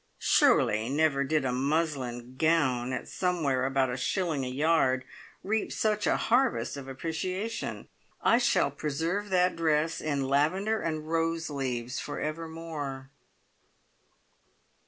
Surely never did a muslin gown at somewhere about a shilling a yard, reap such a harvest of appreciation. I shall preserve that dress in lavender and rose leaves for evermore.